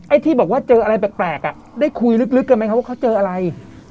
ที่บอกว่าเจออะไรแปลกอ่ะได้คุยลึกกันไหมครับว่าเขาเจออะไร